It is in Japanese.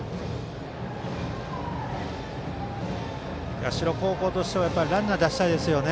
社高校としてはランナーを出したいですね。